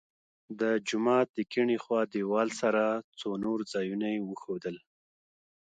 د جومات د کیڼې خوا دیوال سره څو نور ځایونه یې وښودل.